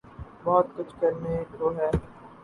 بہت کچھ کرنے کو ہے۔